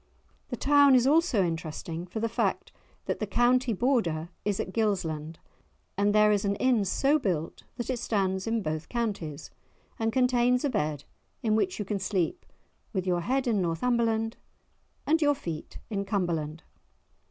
The town is also interesting for the fact that the county border is at Gilsland, and there is an inn so built that it stands in both counties, and contains a bed in which you can sleep with your head in Northumberland and your feet in Cumberland!